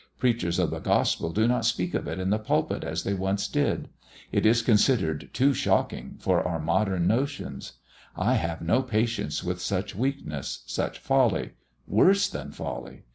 Preachers of the Gospel do not speak of it in the pulpit as they once did. It is considered too shocking for our modern notions. I have no patience with such weakness, such folly worse than folly.